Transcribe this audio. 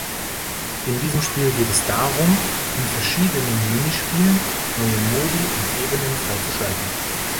In diesem Spiel geht es darum, in verschiedenen Minispielen neue Modi und Ebenen freizuschalten.